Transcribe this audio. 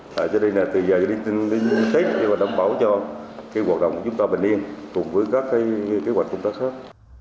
từ giờ đến tết để đảm bảo cho cuộc đồng của chúng ta bình yên cùng với các kế hoạch công tác khác